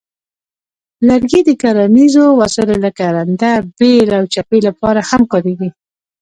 لرګي د کرنیزو وسایلو لکه رنده، بیل، او چپې لپاره هم کارېږي.